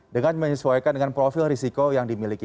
dengan menyesuaikan dengan profil risiko yang dimiliki